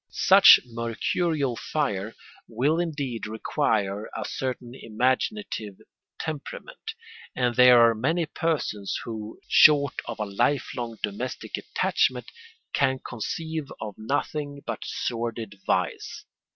Such mercurial fire will indeed require a certain imaginative temperament; and there are many persons who, short of a life long domestic attachment, can conceive of nothing but sordid vice.